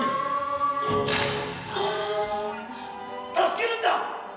助けるんだ！